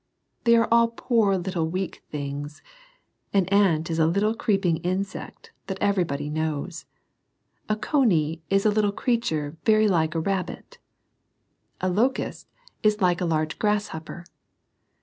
They are all poor little weak things. An ant is a little creeping insect, that every body knows. A cony IS a little creature very like a Ta\i\i\\« A. locust LITTLE AND WISE. 45 is like a large grasshopper.